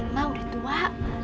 emang udah tua